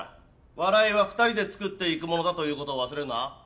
笑いは２人で作っていくものだということを忘れるな。